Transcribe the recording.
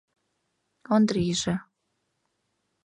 Ондрийже: